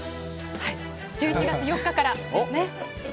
１１月４日からですね。